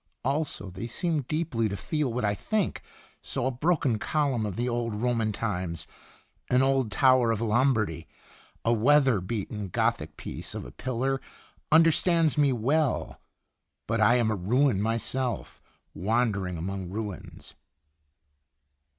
Also, they seem deeply to feel what I think. So a broken column of the old Roman times, an old tower of Lombardy, a weather beaten Gothic piece of a pillar understands me well. But I am a ruin myself, wandering among ruins.